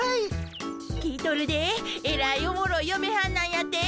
聞いとるでえらいおもろいよめはんなんやて？